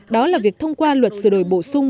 đó là việc thông qua luật sửa đổi bổ sung